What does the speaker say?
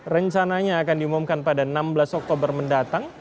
rencananya akan diumumkan pada enam belas oktober mendatang